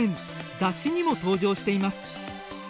雑誌にも登場しています。